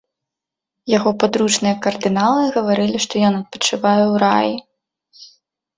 Яго падручныя кардыналы гаварылі, што ён адпачывае ў раі.